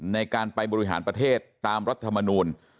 ในการไปบริหารประเทศตามรัฐมนูล